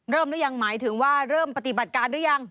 หรือยังหมายถึงว่าเริ่มปฏิบัติการหรือยัง